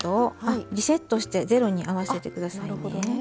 あリセットしてゼロに合わせて下さいね。